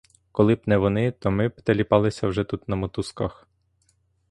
Коли б не вони, то ми б теліпалися вже тут на мотузках!